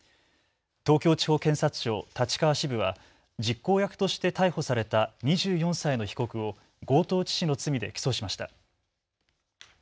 東京地方検察庁立川支部は実行役として逮捕された２４歳の被告を強盗致死の罪で起訴しました。